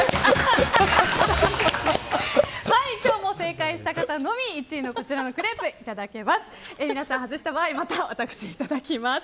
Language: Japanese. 今日も正解した方のみ１位のクレープいただけます。